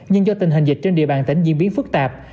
nhưng do tình hình dịch trên địa bàn tỉnh diễn biến phức tạp